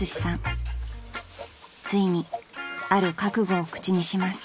［ついにある覚悟を口にします］